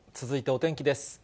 続いてお天気です。